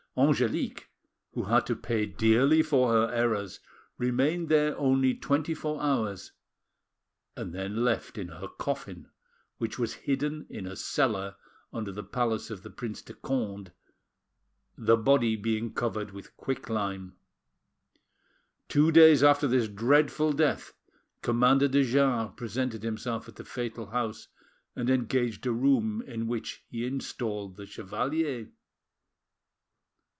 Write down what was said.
Angelique, who had to pay dearly for her errors, remained there only twenty four hours, and then left in her coffin, which was hidden in a cellar under the palace of the Prince de Conde, the body being covered with quicklime. Two days after this dreadful death, Commander de Jars presented himself at the fatal house, and engaged a room in which he installed the chevalier.